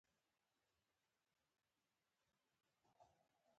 چي راکړل سوئ ایمان را څخه ولاړ نسي ،